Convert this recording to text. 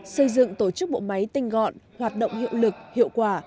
xây dựng tổ chức bộ máy tinh gọn hoạt động hiệu lực hiệu quả